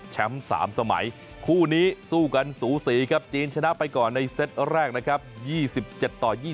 ๓สมัยคู่นี้สู้กันสูสีครับจีนชนะไปก่อนในเซตแรกนะครับ๒๗ต่อ๒๐